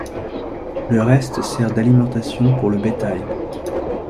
Le reste sert d'alimentation pour le bétail.